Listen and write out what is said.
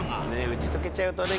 打ち解けちゃうとね